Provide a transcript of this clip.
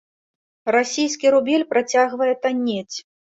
Расійскі рубель працягвае таннець.